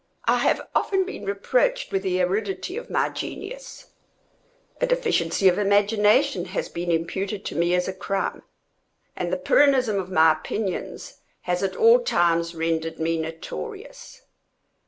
I have often been reproached with the aridity of my genius; a deficiency of imagination has been imputed to me as a crime; and the Pyrrhonism of my opinions has at all times rendered me notorious.